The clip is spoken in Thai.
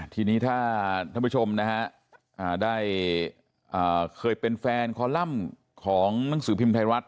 ทีนี้ถ้าท่านผู้ชมนะฮะได้เคยเป็นแฟนคอลัมป์ของหนังสือพิมพ์ไทยรัฐ